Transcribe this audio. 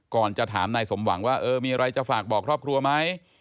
ก่อนจะถามนายสมหวังว่าเออมีอะไรจะฝากบอกครอบครัวไหม